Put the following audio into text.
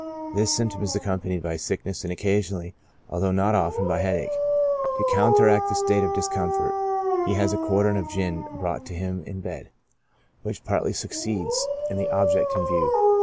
This symptom is accompanied by sickness, and occasionally, although not often, by headache. To counteract this state of discomfort, he has a quartern of gin brought to him in bed, which partly succeeds in the object in view.